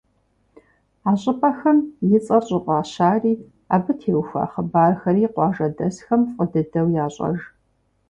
А щӀыпӀэхэм и цӀэр щӀыфӀащари, абы теухуа хъыбархэри къуажэдэсхэм фӀы дыдэу ящӀэж.